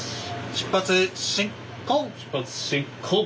出発進行。